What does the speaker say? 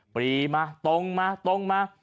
ปรีมาตรงมาตรงมา